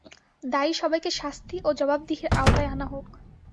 দায়ী সবাইকে শাস্তি ও জবাবদিহির আওতায় আনা হোক।